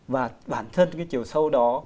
và bản thân cái chiều sâu đó